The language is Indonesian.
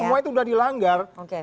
karena semua itu udah dilanggar